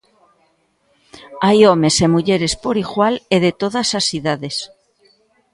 Hai homes e mulleres por igual e de todas as idades.